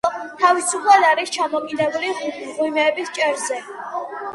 თავისუფლად არის ჩამოკიდებული მღვიმეების ჭერზე.